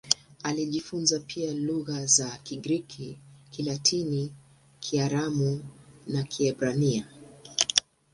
Alijifunza pia lugha za Kigiriki, Kilatini, Kiaramu na Kiebrania.